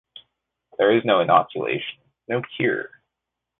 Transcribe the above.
There is no inoculation, no cure.